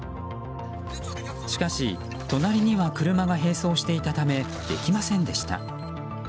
しかし隣には車が並走していたためできませんでした。